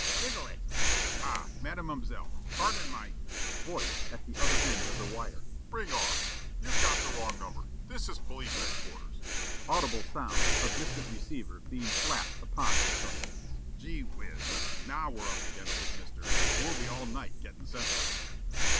"Jiggle it." "Ah, Mademoiselle! Pardon my " Voice at the other end of the wire: "Ring off! You've got wrong number. This is police headquarters." Audible sound of distant receiver being slapped upon its hook. "Gee whiz! Now, we're up against it, Mister. We'll be all night gettin' Central again."